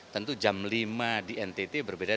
tentu jam lima di ntt berbeda